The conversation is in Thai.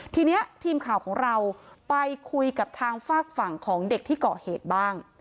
ทีนี้ทีมข่าวของเราไปคุยกับทางฝากฝั่งของเด็กที่เกาะเหตุบ้าง